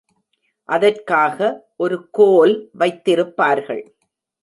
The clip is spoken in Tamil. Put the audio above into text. அதற்காக ஒரு கோல் வைத்திருப்பார்கள்.